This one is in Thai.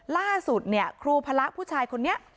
ล่าสุดเนี่ยครูพระผู้ชายคนนี้